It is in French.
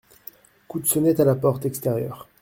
Coup de sonnette à la porte extérieure.